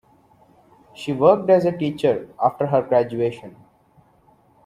She worked as a teacher after her graduation.